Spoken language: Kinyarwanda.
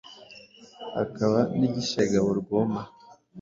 akaba n’igishegabo rwoma.